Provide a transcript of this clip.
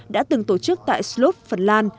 đã từng tổ chức tại sloop phần lan